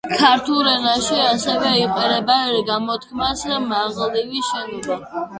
ქართულ ენაში ასევე იყენებენ გამოთქმას „მაღლივი შენობა“.